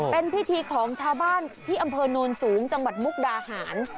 เป็นพิธีของชาวบ้านที่อำเภอโนนสูงจังหวัดมุกดาหาร